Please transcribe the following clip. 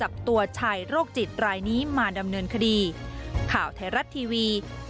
โปรดติดตามตอนต่อไป